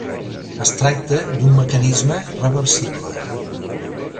Es tracta d'un mecanisme reversible.